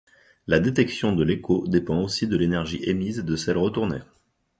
La détection de l'écho dépend aussi de l'énergie émise et de celle retournée.